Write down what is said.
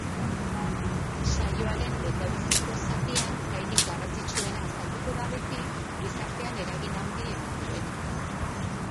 Saioaren lehendabiziko zatian gairik garrantzitsuena azalduko da beti, gizartean eragin handiena duena.